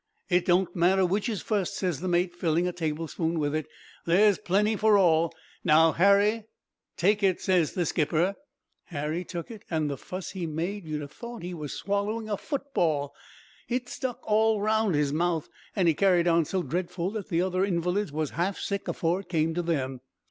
"'It don't matter which is fust,' ses the mate, filling a tablespoon with it, 'there's plenty for all. Now, Harry.' "'Take it,' ses the skipper. "Harry took it, an' the fuss he made you'd ha' thought he was swallering a football. It stuck all round his mouth, and he carried on so dredful that the other invalids was half sick afore it came to them.